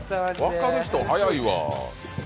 分かる人、早いわ。